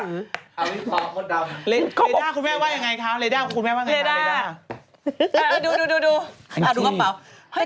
เราสลับไปที่กระเป๋าพลัดชีวิตดีนะคะเออ